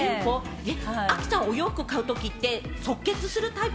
亜希さん、お洋服を買うときって即決するタイプ？